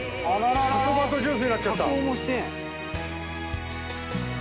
トマトジュースになっちゃった。